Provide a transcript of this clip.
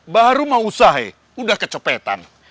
baru mau usaha udah kecopetan